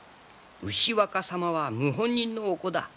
牛若様は謀反人のお子だ。